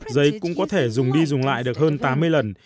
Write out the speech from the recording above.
giấy cũng có thể dùng đi dùng lại được hơn tám mươi lần